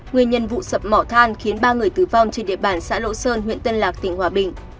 nguyên nhân vụ sập mỏ than khiến ba người tử vong trên địa bàn xã lộ sơn huyện tân lạc tỉnh hòa bình